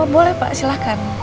boleh pak silahkan